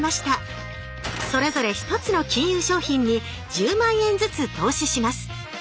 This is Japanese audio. それぞれひとつの金融商品に１０万円ずつ投資します。